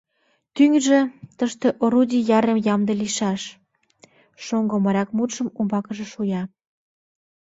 — Тӱҥжӧ — тыште орудий эре ямде лийшаш, — шоҥго моряк мутшым умбакыже шуя.